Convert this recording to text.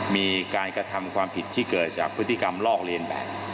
มีการกระทำความผิดที่เกิดจากพฤติกรรมลอกเลียนแบบ